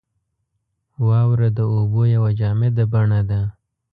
• واوره د اوبو یوه جامده بڼه ده.